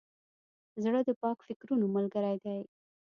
زړه د پاک فکرونو ملګری دی.